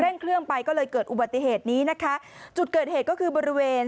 เครื่องไปก็เลยเกิดอุบัติเหตุนี้นะคะจุดเกิดเหตุก็คือบริเวณ